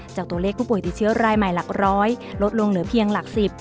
จากตัวเลขผู้ป่วยติดเชื้อรายใหม่หลักร้อยลดลงเหลือเพียงหลักสิบ